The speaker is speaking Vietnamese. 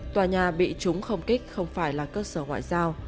tòa nhà bị chúng không kích không phải là cơ sở ngoại giao